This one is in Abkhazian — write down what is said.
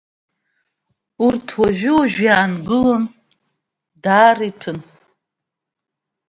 Урҭ уажәи-уажәи иаангылон, даара иҭәын.